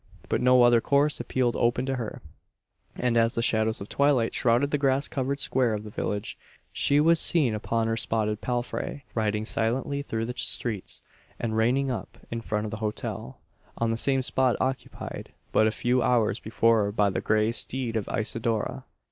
But no other course appeared open to her; and as the shadows of twilight shrouded the grass covered square of the village, she was seen upon her spotted palfrey, riding silently through the streets, and reining up in front of the hotel on the same spot occupied but a few hours before by the grey steed of Isidora!